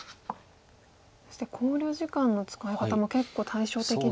そして考慮時間の使い方も結構対照的ですね。